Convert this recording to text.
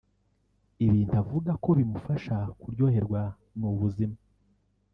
ibintu avuga ko bimufasha kuryoherwa n’ubuzima